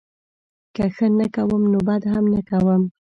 که ښه نه کوم نوبدهم نه کوم